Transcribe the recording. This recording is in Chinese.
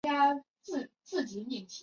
伊奈牛站石北本线上的站。